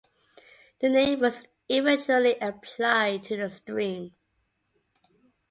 The name was eventually applied to the stream.